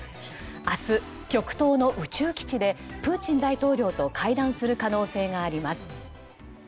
明日、極東の宇宙基地でプーチン大統領と会談する可能性があります。